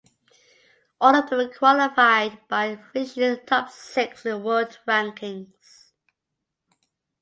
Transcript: All of them qualified by finishing top six in world rankings.